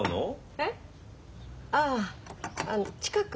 えっ？ああ近く。